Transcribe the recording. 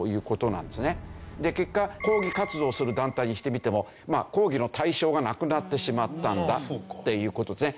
で結果抗議活動する団体にしてみても抗議の対象がなくなってしまったんだっていう事ですね。